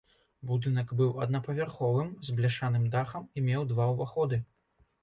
Будынак быў аднапавярховым, з бляшаным дахам і меў два ўваходы.